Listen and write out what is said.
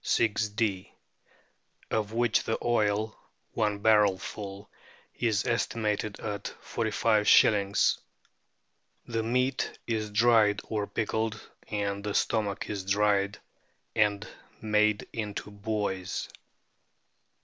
of which the oil (one barrel full) is estimated at 45^. The meat is dried or pickled, and the stomach is dried and made into buoys.